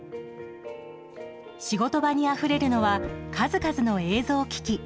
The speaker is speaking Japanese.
仕事場にあふれるのは数々の映像機器。